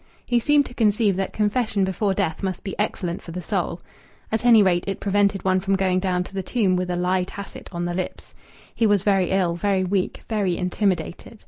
He seemed to conceive that confession before death must be excellent for the soul. At any rate, it prevented one from going down to the tomb with a lie tacit on the lips. He was very ill, very weak, very intimidated.